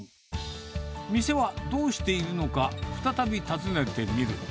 店はどうしているのか、再び訪ねてみると。